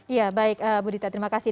ya baik budita terima kasih